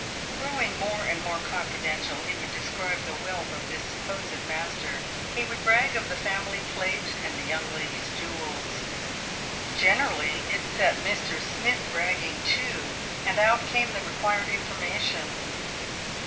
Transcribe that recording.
Growing more and more confi dential, he would describe the wealth of this supposed master. He would Drag of the family plate and the young ladies' jewels. Gene rally it set Mr. Smith bragging too, and out came the required information.